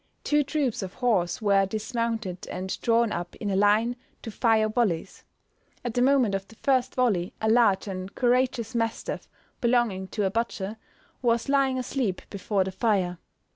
Two troops of horse were dismounted, and drawn up in a line to fire volleys. At the moment of the first volley a large and courageous mastiff, belonging to a butcher, was lying asleep before the fire.